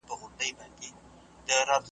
او امریکایي شنونکي، مایکل روبین